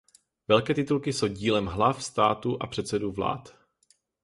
Velké titulky jsou dílem hlav států a předsedů vlád.